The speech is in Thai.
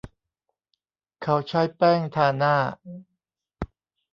เขาใช้แป้งทาหน้า